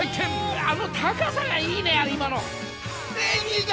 あの高さがいいね今の。